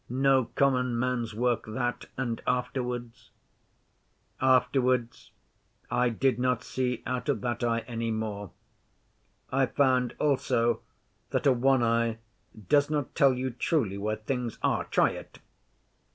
'No common man's work that. And, afterwards?' 'Afterwards I did not see out of that eye any more. I found also that a one eye does not tell you truly where things are. Try it!